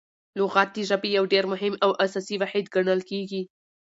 لغت د ژبي یو ډېر مهم او اساسي واحد ګڼل کیږي.